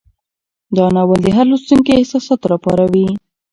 دا ناول د هر لوستونکي احساسات راپاروي.